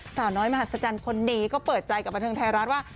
สาวน้อยมหัศจรรย์คนนี้ก็เปิดใจกับบันเทิงไทยรัฐว่า